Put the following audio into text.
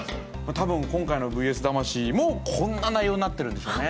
多分今回の「ＶＳ魂」もこんな内容になってるんでしょうね。